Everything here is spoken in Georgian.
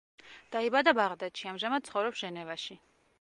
დაიბადა ბაღდადში, ამჟამად ცხოვრობს ჟენევაში.